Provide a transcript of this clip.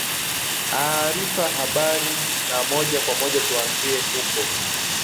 aarifa habari na moja kwa moja tuanzie huko